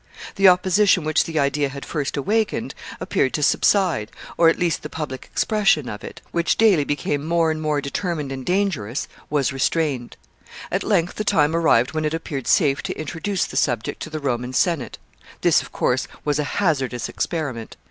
The opposition which the idea had at first awakened appeared to subside, or, at least, the public expression of it, which daily became more and more determined and dangerous, was restrained. At length the time arrived when it appeared safe to introduce the subject to the Roman Senate. This, of course, was a hazardous experiment.